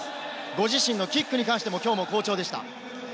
ご自身のキックに関して、きょうも好調でした。